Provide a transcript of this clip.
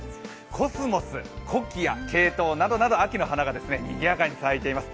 コスモス、コキア、ケイトウなどなど秋の花が賑やかに咲いています。